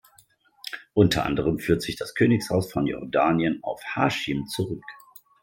Unter anderem führt sich das Königshaus von Jordanien auf Hāschim zurück.